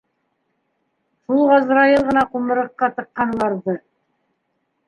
Шул ғазрайыл ғына ҡумырыҡҡа тыҡҡан уларҙы.